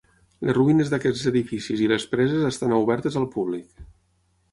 Les ruïnes d'aquests edificis i les preses estan obertes al públic.